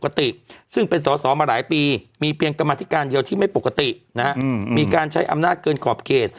ในสดข้อแล้วเมื่อปีมีเพียงกรมาธิการเดียวที่ไม่ปกตินะฮะมีการใช้อำนาจเกินขอบเขต